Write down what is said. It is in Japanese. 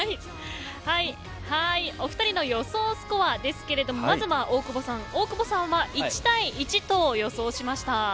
お二人の予想スコアですがまずは、大久保さん大久保さんは１対１と予想しました。